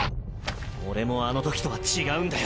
俺もあの時とは違うんだよ。